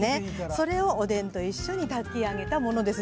それをおでんと一緒に炊き上げたものです。